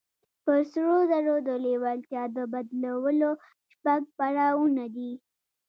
پر سرو زرو د لېوالتیا د بدلولو شپږ پړاوونه دي.